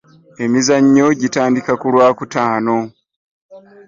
Emizannyo gitandika ku lwakutaano